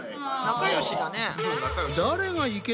仲よしだね。